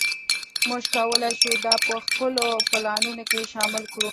موږ کولی شو دا په خپلو پلانونو کې شامل کړو